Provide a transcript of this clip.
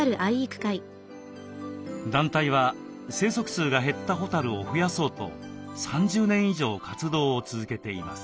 団体は生息数が減ったホタルを増やそうと３０年以上活動を続けています。